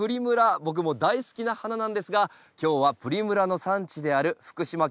僕も大好きな花なんですが今日はプリムラの産地である福島県